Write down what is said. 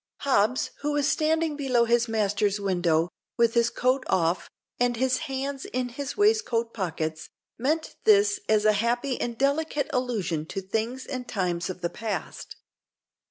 Hobbs, who was standing below his master's window, with his coat off, and his hands in his waistcoat pockets, meant this as a happy and delicate allusion to things and times of the past.